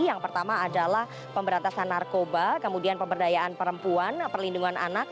yang pertama adalah pemberantasan narkoba kemudian pemberdayaan perempuan perlindungan anak